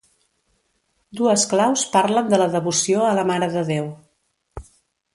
Dues claus parlen de la devoció a la Mare de Déu.